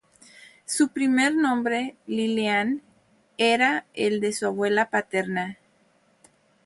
Su primer nombre, Liliane, era el de su abuela paterna.